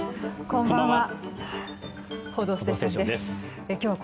こんばんは。